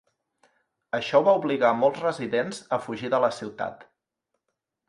Això va obligar molts residents a fugir de la ciutat.